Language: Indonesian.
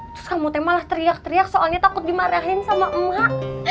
terus kamu malah teriak teriak soalnya takut dimarahin sama emak